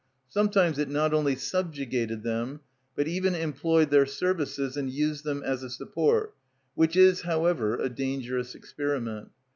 Sometimes it not only subjugated them, but even employed their services and used them as a support, which is however a dangerous experiment.